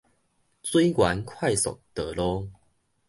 水源快速道路